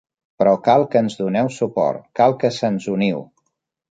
Però cal que ens doneu suport; cal que se'ns uniu.